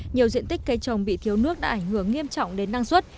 nhiều diện tích cây trồng bị thiếu nước đã ảnh hưởng nghiêm trọng đến năng suất